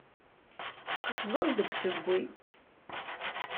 Tqefzeḍ deg usewwi.